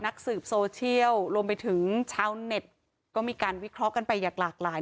นักสืบโซเชียลรวมไปถึงชาวเน็ตก็มีการวิเคราะห์กันไปอย่างหลากหลาย